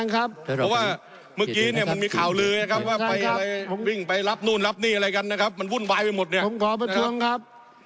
ครับได้ครับผมโยงนิดเดียวผมไปต่อแล้วครับท่านประทานครับ